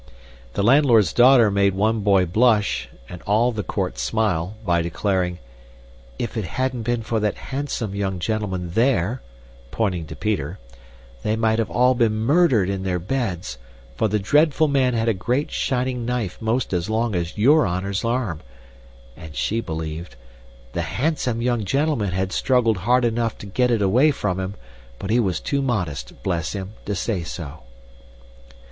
The landlord's daughter made one boy blush, and all the court smile, by declaring, "If it hadn't been for that handsome young gentleman there" pointing to Peter "they might have all been murdered in their beds; for the dreadful man had a great, shining knife most as long as Your Honor's arm," and SHE believed, "the handsome young gentleman had struggled hard enough to get it away from him, but he was too modest, bless him! to say so."